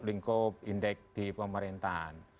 lingkup indeks di pemerintahan